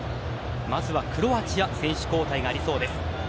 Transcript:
まずはクロアチア選手交代がありそうです。